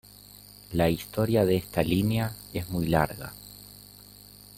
La historia de esta línea es muy larga.